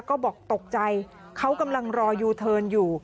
ก็บอกตกใจเขากำลังรอยูเทิร์นอยู่